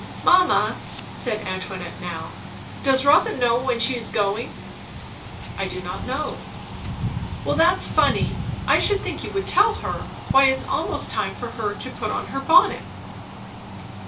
"Mamma," said Antoinette now, "does Rotha know when she is going?" "I do not know." "Well, that's funny. I should think you would tell her. Why it's almost time for her to put on her bonnet."